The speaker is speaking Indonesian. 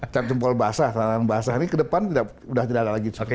cap jempol basah tangan tangan basah ini ke depan sudah tidak ada lagi seperti ini